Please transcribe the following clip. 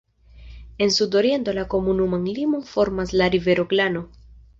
En sudoriento la komunuman limon formas la rivero Glano.